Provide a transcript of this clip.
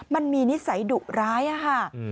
มันมีนิสัยดุร้ายอะค่ะ